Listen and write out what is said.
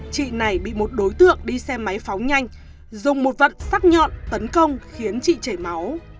chị này bị một đối tượng đi xe máy phóng nhanh dùng một vật sắc nhọn tấn công khiến chị chảy máu